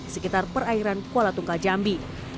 sekitar perairan kuala tunggal jambi